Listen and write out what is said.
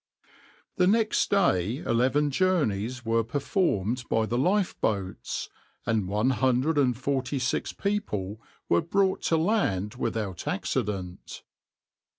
\par The next day eleven journeys were performed by the lifeboats, and one hundred and forty six people were brought to land without accident.